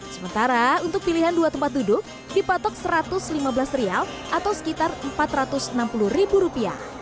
sementara untuk pilihan dua tempat duduk dipatok rp satu ratus lima belas atau sekitar rp empat ratus enam puluh